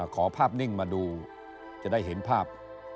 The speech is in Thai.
ขอภาพนิ่งมาดูจะได้เห็นภาพ